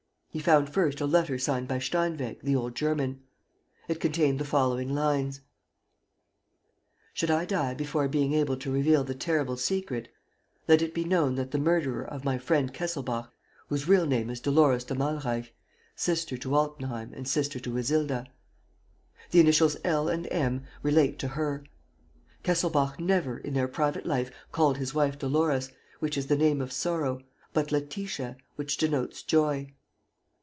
He found first a letter signed by Steinweg, the old German. It contained the following lines: "Should I die before being able to reveal the terrible secret, let it be known that the murderer of my friend Kesselbach is his wife, whose real name is Dolores de Malreich, sister to Altenheim and sister to Isilda. "The initials L. and M. relate to her. Kesselbach never, in their private life, called his wife Dolores, which is the name of sorrow, but Letitia, which denotes joy.